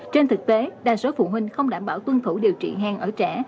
trên thực tế đa số phụ huynh không đảm bảo tuân thủ điều trị hen ở trẻ